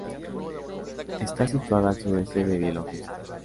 Está situada al sudeste de Bielorrusia.